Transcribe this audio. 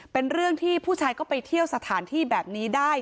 เป็นเรื่องที่ผู้ชายก็ไปเที่ยวสถานที่แบบนี้ได้